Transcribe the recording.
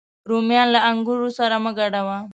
رومیان له انګورو سره مه ګډوه